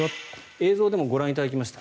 映像でもご覧いただきました。